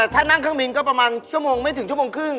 ถ้านั่งเครื่องบินก็ประมาณชั่วโมงไม่ถึงชั่วโมงครึ่ง